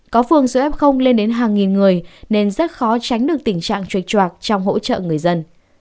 có phường số f lên đến hàng nghìn người nên rất khó tránh được tình trạng lệch chuac trong hỗ trợ người dân